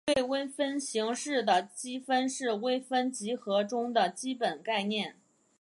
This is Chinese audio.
对微分形式的积分是微分几何中的基本概念。